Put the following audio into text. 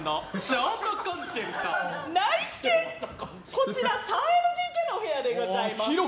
こちら３ＬＤＫのお部屋でございます。